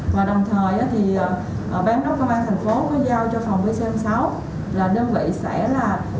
và đồng thời thì bán đốc công an thành phố có giao cho phòng vcn sáu là đơn vị sẽ là